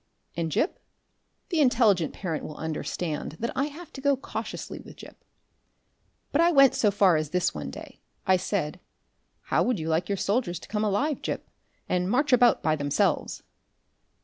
And Gip ? The intelligent parent will understand that I have to go cautiously with Gip. But I went so far as this one day. I said, "How would you like your soldiers to come alive, Gip, and march about by themselves?"